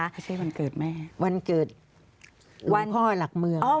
ไม่ใช่วันเกิดแม่วันเกิดวันพ่อหลักเมือง